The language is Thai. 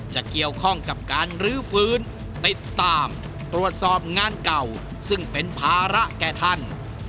จะเกี่ยวข้องกับการรื้อฟื้นติดตามตรวจสอบงานเก่าซึ่งเป็นภาระแก่ท่าน